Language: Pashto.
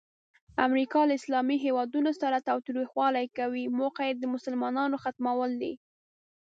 امریکا له اسلامي هیوادونو سره تاوتریخوالی کوي، موخه یې د مسلمانانو ختمول دي.